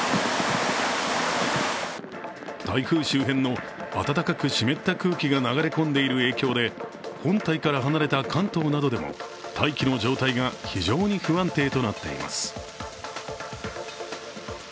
台風周辺の暖かく湿った空気が流れ込んでいる影響で本体から離れた関東などでも大気の状態が非常に不安定となっています。